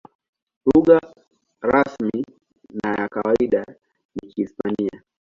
Lugha rasmi na ya kawaida ni Kihispania.